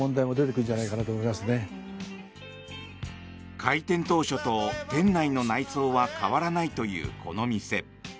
開店当初と店内の内装は変わらないというこの店。